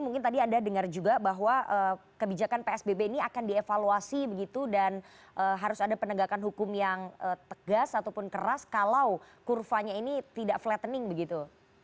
mungkin tadi anda dengar juga bahwa kebijakan psbb ini akan dievaluasi begitu dan harus ada penegakan hukum yang tegas ataupun keras kalau kurvanya ini tidak flattening begitu